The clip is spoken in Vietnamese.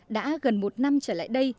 đã gần một năm trở lại đây